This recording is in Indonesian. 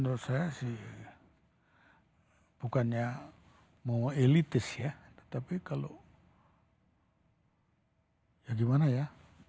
menurut saya sih bukannya mau elitis ya tetapi kalau ya gimana ya